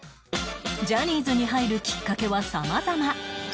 ジャニーズに入るきっかけは様々